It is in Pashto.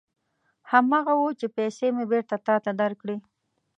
هماغه و چې پېسې مې بېرته تا ته درکړې.